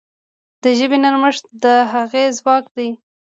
د ژبې نرمښت د هغې ځواک دی.